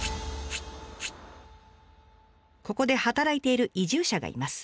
ここで働いている移住者がいます。